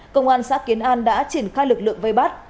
công an xã kiến an đã triển khai lực lượng vây bắt